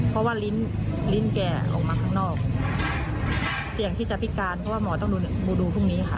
เพราะว่าลิ้นลิ้นแกออกมาข้างนอกเสี่ยงที่จะพิการเพราะว่าหมอต้องดูดูพรุ่งนี้ค่ะ